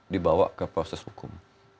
dibawa ke proses hukum